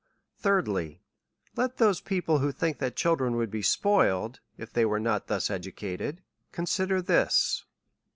Thirdli/, Let those people, who think that children would be spoiled, if they were not thus educated, con sider this.